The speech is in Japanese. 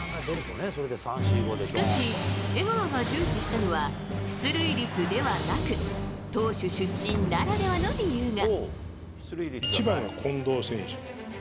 しかし、江川が重視したのは出塁率ではなく投手出身ならではの理由が。